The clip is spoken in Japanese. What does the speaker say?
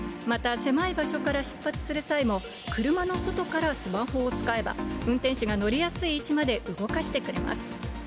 また狭い場所から出発する際も、車の外からスマホを使えば、運転手が乗りやすい位置まで動かしてくれます。